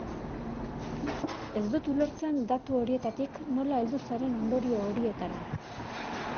Ez dut ulertzen datu horietatik nola heldu zaren ondorio horietara.